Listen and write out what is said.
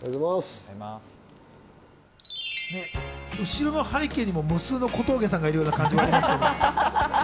後の背景にも無数の小峠さんがいるような感じですが。